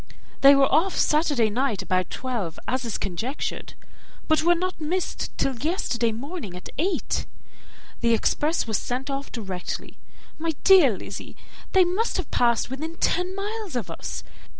They were off Saturday night about twelve, as is conjectured, but were not missed till yesterday morning at eight. The express was sent off directly. My dear Lizzy, they must have passed within ten miles of us.